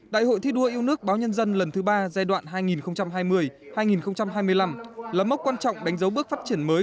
đại hội thi đua yêu nước báo nhân dân lần thứ ba giai đoạn hai nghìn hai mươi hai nghìn hai mươi năm là mốc quan trọng đánh dấu bước phát triển mới